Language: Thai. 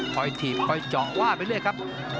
ถีบคอยเจาะว่าไปเรื่อยครับ